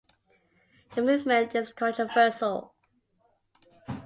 The movement is controversial.